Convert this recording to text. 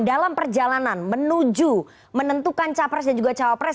dalam perjalanan menuju menentukan capres dan juga cawapres